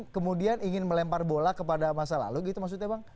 kemudian ingin melempar bola kepada masa lalu gitu maksudnya bang